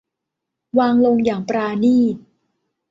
วางลงอย่างปราณีต